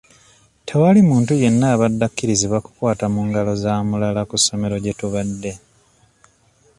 Tewali muntu yenna abadde akkirizibwa kukwata mu ngalo za mulala ku ssomero gye tubadde.